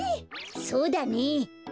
そうだね。